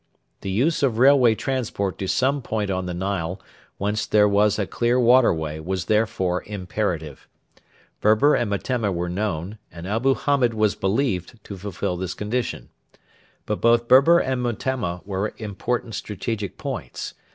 The use of railway transport to some point on the Nile whence there was a clear waterway was therefore imperative. Berber and Metemma were known, and Abu Hamed was believed, to fulfil this condition. But both Berber and Metemma were important strategic points.